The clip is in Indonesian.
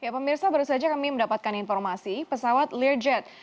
pemirsa baru saja kami mendapatkan informasi pesawat learjet